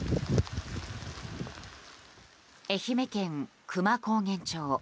愛媛県久万高原町。